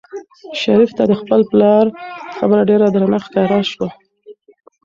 شریف ته د خپل پلار خبره ډېره درنه ښکاره شوه.